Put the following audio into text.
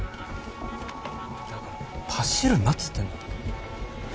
だからパシるなっつってんの。